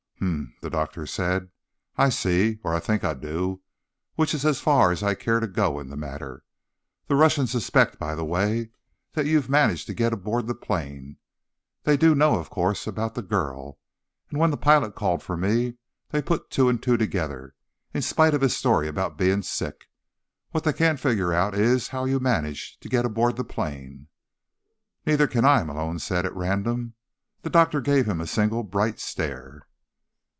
"Hmf," the doctor said. "I see. Or I think I do, which is as far as I care to go in the matter. The Russians suspect, by the way, that you've managed to get aboard the plane. They do know, of course, about the girl, and when the pilot called for me they put two and two together. In spite of his story about being sick. What they can't figure out is how you managed to get aboard the plane." "Neither can I," Malone said at random. The doctor gave him a single bright stare.